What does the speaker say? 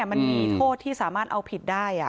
มันมีโทษที่สามารถเอาผิดได้